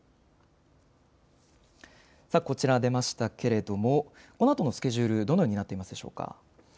こちら、出ましたけれども、このあとのスケジュール、どのようになっていますでしょうか。